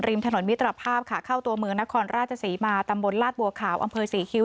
ถนนมิตรภาพค่ะเข้าตัวเมืองนครราชศรีมาตำบลลาดบัวขาวอำเภอศรีคิ้ว